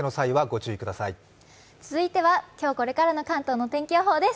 続いては今日これからの関東の天気予報です。